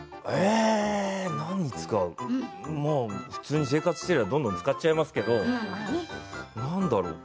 普通に生活していればどんどん使っちゃいますけれど何だろう